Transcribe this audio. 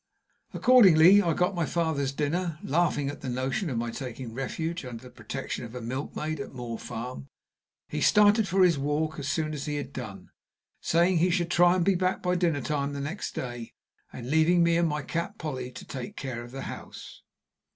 Accordingly, I got my father's dinner, laughing at the notion of my taking refuge under the protection of a milkmaid at Moor Farm. He started for his walk as soon as he had done, saying he should try and be back by dinner time the next day, and leaving me and my cat Polly to take care of the house.